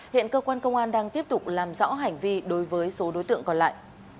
hiện cơ quan công an đang tiếp tục làm rõ hành vi đối với số đối tượng còn lại